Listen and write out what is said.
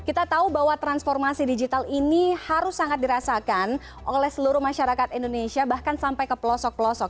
kita tahu bahwa transformasi digital ini harus sangat dirasakan oleh seluruh masyarakat indonesia bahkan sampai ke pelosok pelosok